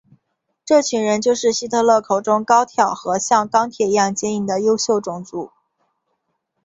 这群人就是希特勒口中高挑和像钢铁一样坚硬的优秀种族。